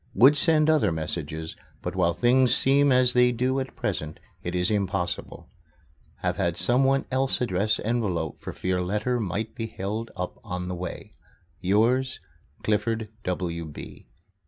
Would send other messages, but while things seem as they do at present it is impossible. Have had someone else address envelope for fear letter might be held up on the way. Yours, CLIFFORD W.